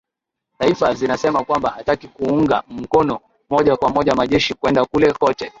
taifa zinasema kwamba hataki kuunga mkono moja kwa moja majeshi kwenda kule cote